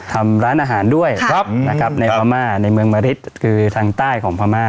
ทำร้านอาหารด้วยนะครับในพม่าในเมืองมะริดคือทางใต้ของพม่า